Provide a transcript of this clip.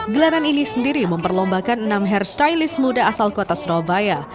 gelaran ini sendiri memperlombakan enam hair stylist muda asal kota surabaya